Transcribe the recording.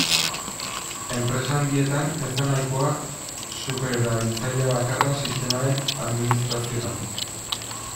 Enpresa handietan ez da nahikoa supererabiltzaile bakarra sistemaren administraziorako.